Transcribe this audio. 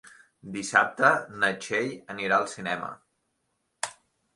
Dissabte na Txell anirà al cinema.